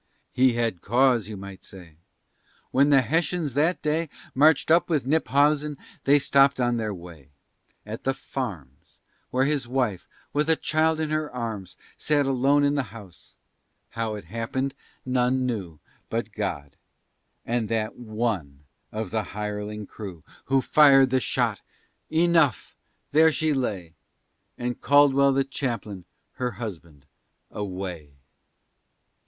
He had cause, you might say! When the Hessians that day Marched up with Knyphausen they stopped on their way At the "Farms," where his wife, with a child in her arms, Sat alone in the house. How it happened none knew But God and that one of the hireling crew Who fired the shot! Enough! there she lay, And Caldwell, the chaplain, her husband, away!